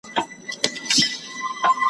که بیرغ د احمدشاه دی که شمشېر د خوشحال خان دی ,